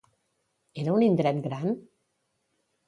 Era un indret gran?